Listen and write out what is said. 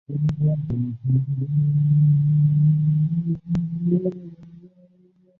大陆记者及红十字会人员首次正式获准进入台湾采访及探望被扣渔民。